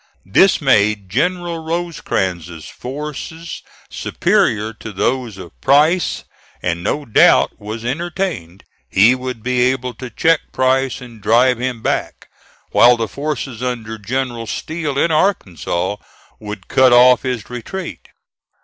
This made General Rosecrans's forces superior to those of Price, and no doubt was entertained he would be able to check Price and drive him back; while the forces under General Steele, in Arkansas, would cut off his retreat.